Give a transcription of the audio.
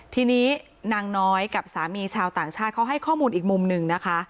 ทีนี้นางน้อยกับสามีชาวต่างชาติเขาให้ข้อมูลอีกมุมหนึ่งนะคะ